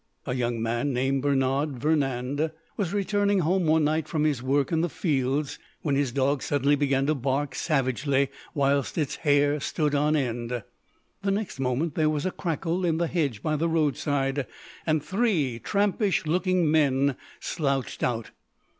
A young man, named Bernard Vernand, was returning home one night from his work in the fields, when his dog suddenly began to bark savagely, whilst its hair stood on end. The next moment there was a crackle in the hedge by the roadside, and three trampish looking men slouched out.